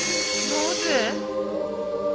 なぜ。